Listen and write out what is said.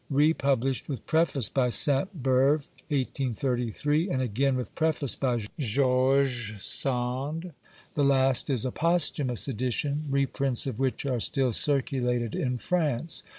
Republished with preface by Sainte Beuve, 1833, and again with preface by George Sand ; the last is a posthumous edition, reprints of which are still circulated in France.